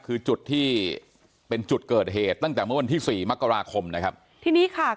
คือจุดที่เป็นจุดเกิดเหตุตั้งแต่เมื่อวันที่สี่มกราคมนะครับทีนี้ค่ะ